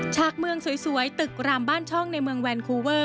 ฉากเมืองสวยตึกรามบ้านช่องในเมืองแวนคูเวอร์